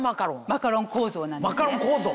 マカロン構造なんですね。